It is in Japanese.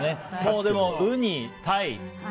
でも、ウニ、タイ。